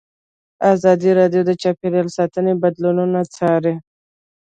ازادي راډیو د چاپیریال ساتنه بدلونونه څارلي.